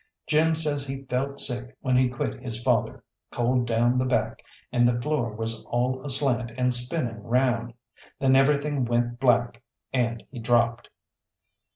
Jim says he felt sick when he quit his father, cold down the back, and the floor was all aslant and spinning round. Then everything went black, and he dropped.